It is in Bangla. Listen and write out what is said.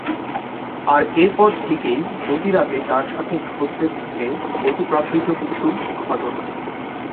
আর এরপর থেকেই প্রতি রাতে তার সাথে ঘটতে থাকে অতিপ্রাকৃত কিছু ঘটনা।